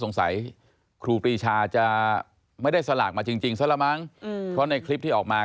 ครูปรีชาจะไม่ได้สลากมาจริงจริงซะละมั้งเพราะในคลิปที่ออกมา